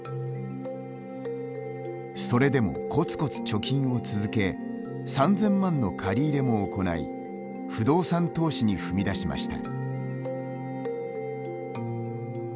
それでもこつこつ貯金を続け３０００万の借り入れも行い不動産投資に踏み出しました。